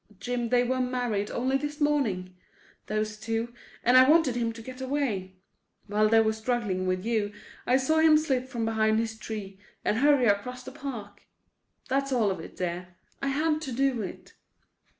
Jim, they were married only this morning—those two; and I wanted him to get away. While they were struggling with you I saw him slip from behind his tree and hurry across the park. That's all of it, dear—I had to do it."